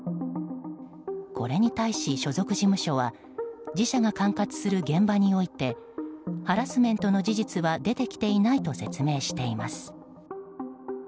これに対し、所属事務所は自社が管轄する現場においてハラスメントの事実は出てきていないと説明しています。